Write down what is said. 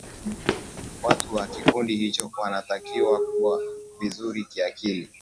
watu wa kikundi hicho wanatakiwa kuwa vizuri kiakili